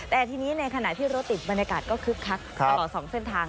แต่ทีนี้ในขณะที่รถติดบรรยากาศก็คึกคักตลอด๒เส้นทาง